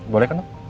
boleh kan dong